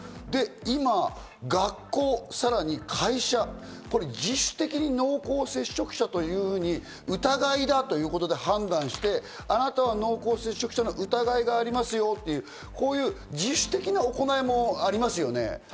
で今、学校、さらに会社、自主的に濃厚接触者というふうに疑いだということで判断して、あなたは濃厚接触者の疑いがありますよという、こういう自主的な行いもありますよね。